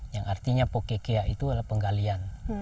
yang artinya pokekea itu adalah penggalian